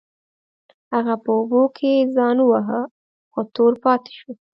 هغه په اوبو کې ځان وواهه خو تور پاتې شو.